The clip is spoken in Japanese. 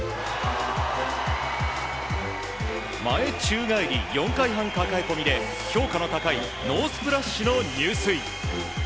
前宙返り４回半抱え込みで評価の高いノースプラッシュの入水。